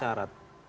belum memenuhi syarat